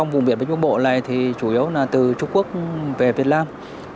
vùng biển và vùng bộ này thì chủ yếu là từ trung quốc về việt nam